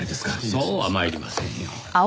そうは参りませんよ。